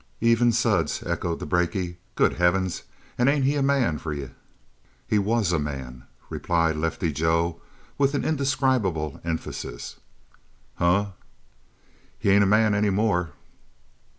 "Even Suds," echoed the brakie. "Good heavens, and ain't he a man for you?" "He was a man," replied Lefty Joe with an indescribable emphasis. "Huh?" "He ain't a man any more."